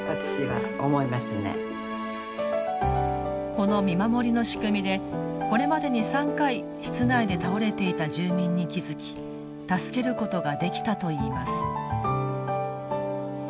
この見守りの仕組みでこれまでに３回室内で倒れていた住民に気付き助けることができたといいます。